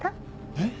えっ？